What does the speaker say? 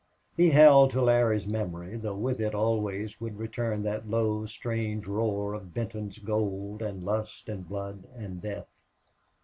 He held to Larry's memory, though with it always would return that low, strange roar of Benton's gold and lust and blood and death.